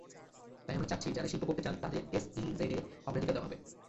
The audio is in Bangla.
তাই আমরা চাচ্ছি, যাঁরা শিল্প করতে চান, তাঁদের এসইজেডে অগ্রাধিকার দেওয়া হবে।